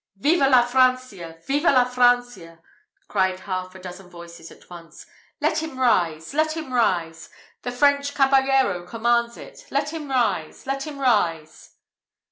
"Viva la Francia! Viva la Francia!" cried half a dozen voices at once. "Let him rise! let him rise! The French caballero commands it. Let him rise! let him rise!"